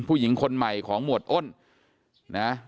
ผู้หญิงคนใหม่ของหมวดอ้นนะ